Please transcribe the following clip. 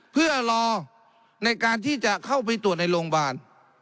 เพื่อรอในการที่จะเข้าไปตรวจในโรงพยาบาล